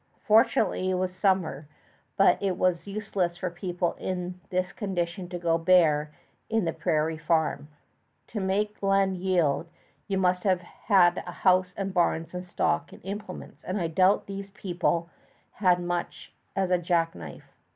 Fortunately it was summer, but it was useless for people in this condition to go bare to the prairie farm. To make land yield, you must have house and barns and stock and implements, and I doubt if these people had as much as a jackknife.